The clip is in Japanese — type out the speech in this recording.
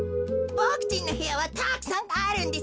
ボクちんのへやはたくさんあるんですよね。